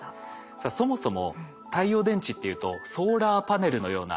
さあそもそも太陽電池っていうとソーラーパネルのようなイメージ。